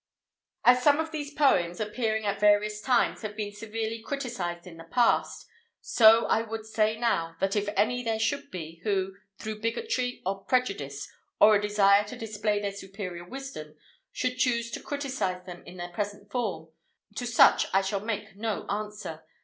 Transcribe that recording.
As some of these poems, appearing at various times, have been severely criticized in the past, so I would say now, that if any there should be, who, through bigotry, or prejudice, or a desire to display their superior wisdom, should choose to criticize them in their present form to such I shall make no answer.